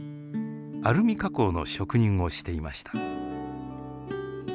アルミ加工の職人をしていました。